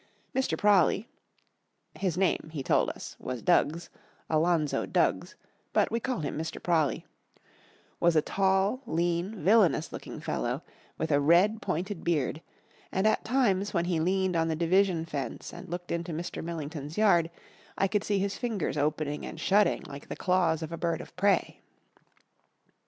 Mr. Prawley his name, he told us, was Duggs, Alonzo Duggs, but we called him Mr. Prawley was a tall, lean, villanous looking fellow, with a red, pointed beard, and at times when he leaned on the division fence and looked into Mr. Millington's yard I could see his fingers opening and shutting like the claws of a bird of prey.